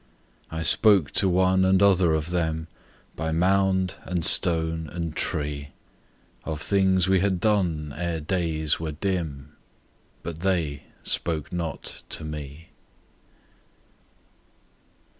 I spoke to one and other of them By mound and stone and tree Of things we had done ere days were dim, But they spoke not to me.